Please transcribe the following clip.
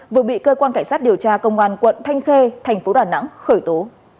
vừa bị cơ quan cảnh sát điều tra công an quận thanh khê tp đà nẵng khởi tố